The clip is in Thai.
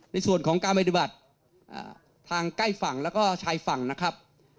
ในส่วนของการปฏิบัติทางใกล้ฝั่งแล้วก็ชายฝั่งนะครับ